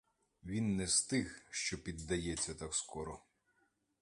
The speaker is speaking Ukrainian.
Він не з тих, що піддається так скоро.